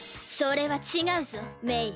それは違うぞ鳴。